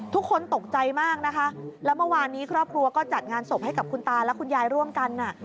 ทุกคนตกใจมากนะคะแล้วเมื่อวานนี้ครอบครัวก็จัดงานศพให้กับคุณตาและคุณยายร่วมกัน